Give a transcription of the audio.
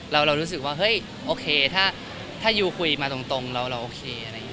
เรารู้สึกว่าโอเคถ้ายูคุยมาตรงเราโอเค